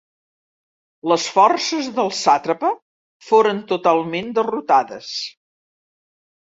Les forces del sàtrapa foren totalment derrotades.